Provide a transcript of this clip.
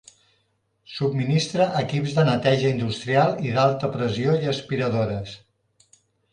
Subministra equips de neteja industrial i d'alta pressió i aspiradores.